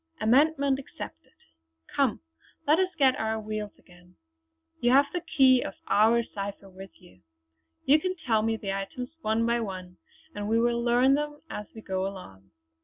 Amendment accepted! Come, let us get on our wheels again. You have the key of our cipher with you; you can tell me the items one by one, and we will learn them as we go along."